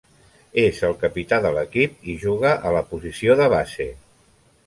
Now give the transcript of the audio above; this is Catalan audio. És el capità de l'equip i juga a la posició de base.